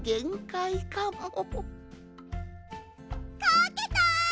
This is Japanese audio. かけた！